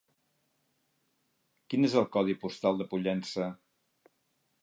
Quin és el codi postal de Pollença?